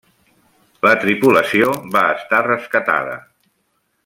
La tripulació va estar rescatada.